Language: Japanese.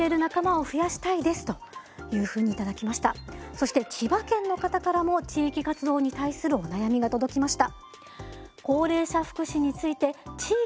そして千葉県の方からも地域活動に対するお悩みが届きました。